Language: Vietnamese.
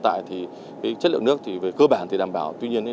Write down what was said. và tính đến thời điểm hiện nay chất lượng nước đã đảm bảo đủ điều kiện